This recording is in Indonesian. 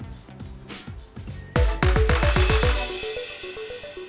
selamat bergabung bersama kami di cnn indonesia connected